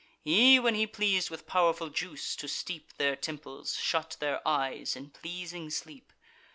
He, when he pleas'd with powerful juice to steep Their temples, shut their eyes in pleasing sleep.